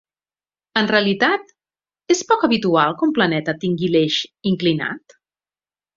En realitat, és poc habitual que un planeta tingui l'eix inclinat?